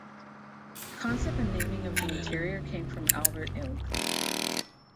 Concept and naming of the interior came from Albert Ilg.